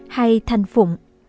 hay thành phụng